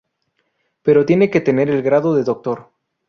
Pero tiene que tener el grado de doctor.